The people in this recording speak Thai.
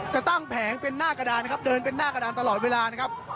จะตั้งแผงเป็นหน้ากระดานนะครับเดินเป็นหน้ากระดานตลอดเวลานะครับ